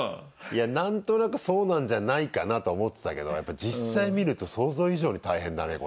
いや何となくそうなんじゃないかなとは思ってたけどやっぱり実際見ると想像以上に大変だね